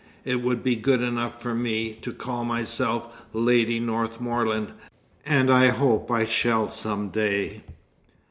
It would be good enough for me to call myself Lady Northmorland, and I hope I shall some day."